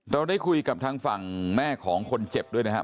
เราได้คุยกับทางฝั่งแม่ของคนเจ็บด้วยนะครับ